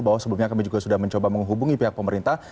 bahwa sebelumnya kami juga sudah mencoba menghubungi pihak pemerintah